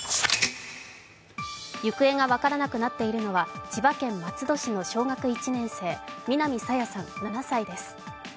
行方が分からなくなっているのは千葉県松戸市の小学１年生南朝芽さん７歳です。